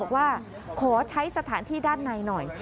บอกว่าขอใช้สถานที่ด้านในหน่อย